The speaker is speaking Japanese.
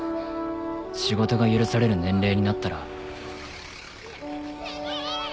仕事が許される年齢になったらすげぇ！